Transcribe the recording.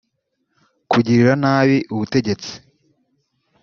kugirira nabi ubutegetsi